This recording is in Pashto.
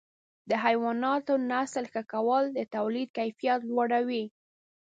د حیواناتو نسل ښه کول د تولید کیفیت لوړوي.